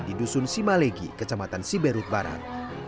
di dusun simalegi kecamatan siberut barat